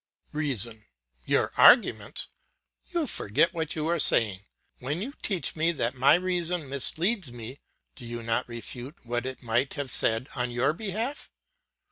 "REASON: Your arguments! You forget what you are saying. When you teach me that my reason misleads me, do you not refute what it might have said on your behalf?